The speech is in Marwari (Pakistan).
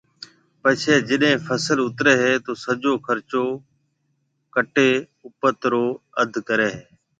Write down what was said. پڇيَ جڏَي فصل اُترَي ھيََََ تو سجو خرچو ڪٽَي اُپت رو اڌ ڪريَ ھيََََ